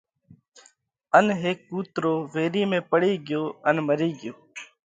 ان ھيڪ ڪُوترو ويري ۾ پڙي ڳيو ان مري ڳيو۔